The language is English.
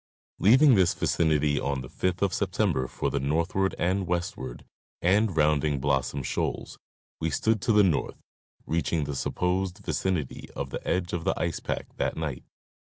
Leaving this vicinity on the 5th of September for the north ward and westward, and rounding Blossom shoals, we stood to the north, reaching the supposed vicinity of the edge of the ice pack that night.